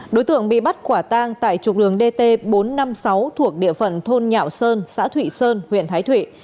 đối tượng bị bắt quả tang tại trục đường dt bốn trăm năm mươi sáu thuộc địa phận thôn nhạo sơn xã thụy sơn huyện thái thụy